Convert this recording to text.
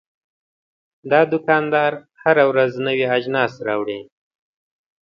دا دوکاندار هره ورځ نوي اجناس راوړي.